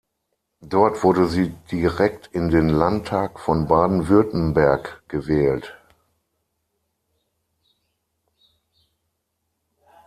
Dort wurde sie direkt in den Landtag von Baden-Württemberg gewählt.